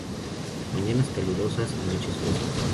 Mañanas calurosas y noches frescas.